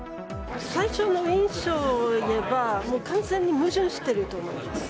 最初の印象を言えば、もう完全に矛盾していると思います。